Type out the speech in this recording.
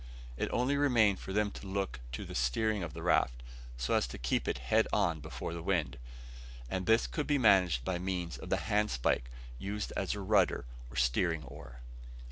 It only remained for them to look to the steering of the raft, so as to keep it head on before the wind; and this could be managed by means of the handspike, used as a rudder or steering oar.